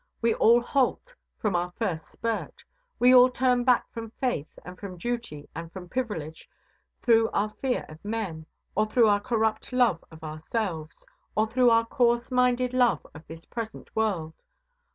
We all halt from our first spurt. We all turn back from faith and from duty and from privilege through our fear of men, or through our corrupt love of ourselves, or through our coarse minded love of this present world.